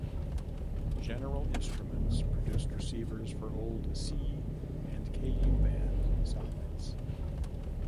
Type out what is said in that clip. General Instrument produced receivers for old C and Ku band satellites.